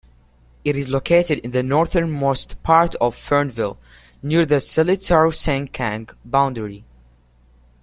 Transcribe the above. It is located in the northernmost part of Fernvale, near the Seletar-Sengkang boundary.